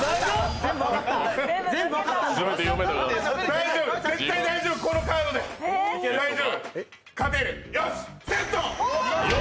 大丈夫、絶対大丈夫、このカードで勝てる、よし！